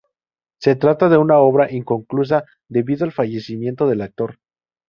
Se trata de una obra inconclusa debido al fallecimiento del actor.